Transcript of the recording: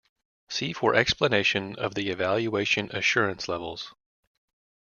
See for explanation of The Evaluation Assurance Levels.